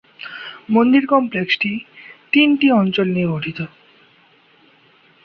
মন্দির কমপ্লেক্সটি তিনটি অঞ্চল নিয়ে গঠিত।